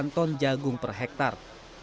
delapan ton jagung per hektare